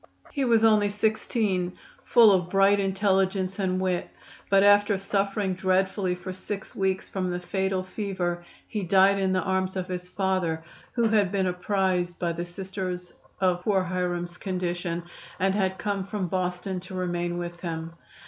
He was only 16, full of bright intelligence and wit, but after suffering dreadfully for six weeks from the fatal fever he died in the arms of his father, who had been apprised by the Sisters of poor Hiram's condition, and had come from Boston to remain with him.